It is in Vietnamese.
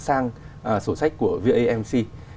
sang số sách của vamc